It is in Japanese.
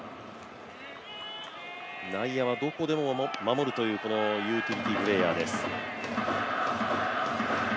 内野はどこでも守るというユーティリティープレーヤーです。